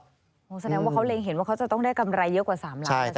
แสดงว่าเขาเรียงเห็นว่าเขาจะต้องได้กำไรเยอะกว่า๓ล้านบาทใช่ไหมครับ